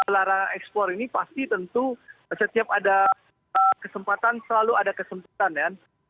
karena ekspor ini pasti tentu setiap ada kesempatan selalu ada kesempatan ya